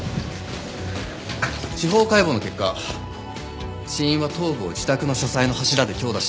司法解剖の結果死因は頭部を自宅の書斎の柱で強打した事による脳挫傷。